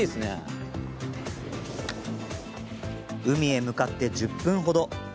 海へ向かって１０分ほど。